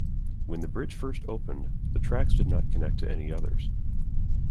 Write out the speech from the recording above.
When the bridge first opened, the tracks did not connect to any others.